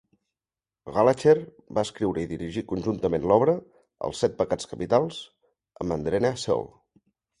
Gallacher va escriure i dirigir conjuntament l'obra, "Els Set Pecats Capitals", amb Andrea Seale.